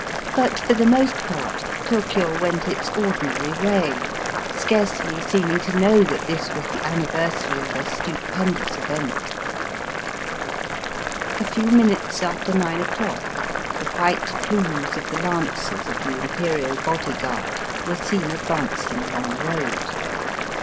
But for the most part Tokio went its ordinary way, scarcely seeming to know that this was the anniversary of a stupendous event. A few minutes after nine o'clock the white plumes of the Lancers of the Imperial Body Guard were seen advancing along the road.